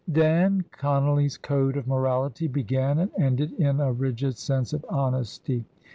Dan Conolly's code of morality began and ended in a rigid sense of honesty.